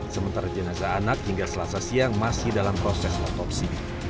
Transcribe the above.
sementara jenazah anak hingga selasa siang masih dalam proses otopsi